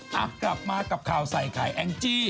กลับมากับข่าวใส่ไข่แองจี้